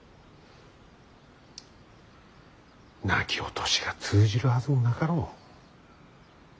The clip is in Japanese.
泣き落としが通じるはずもなかろう。